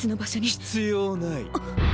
必要ない。